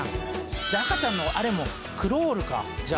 じゃあ赤ちゃんのあれもクロールかじゃあ。